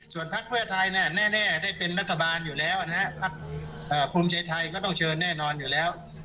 ส่วนพักเพื่อไทยแน่ได้เป็นรัฐบาลอยู่แล้วนะฮะพักภูมิใจไทยก็ต้องเชิญแน่นอนอยู่แล้ว